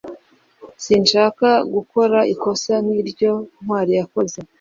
Sinshaka gukora ikosa nk'iryo Ntwali yakoze